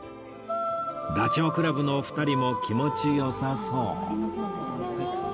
ダチョウ倶楽部のお二人も気持ちよさそう